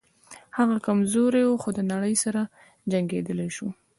هغه کمزوری و خو د نړۍ سره جنګېدلی شو